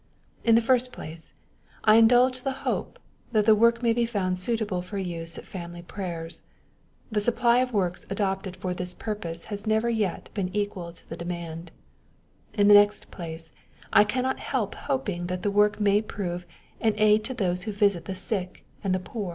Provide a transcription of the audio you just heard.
In the first place, I indulge the hope, that the work may be found suitable for use at family prayers. The supply of works adapted for this purpose has never yet been equal to the demand. In the next place, I cannot help hoping that the work may prove an aid to those who visit the sick and the poor.